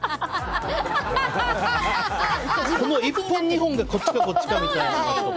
この１本、２本がこっちか、そっちかみたいな。